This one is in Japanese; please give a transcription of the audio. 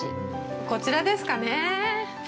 こちらですかね。